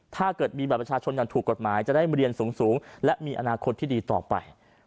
ถ้าเกิดมีบัตรประชาชนอย่างถูกกฎหมายจะได้เรียนสูงและมีอนาคตที่ดีต่อไป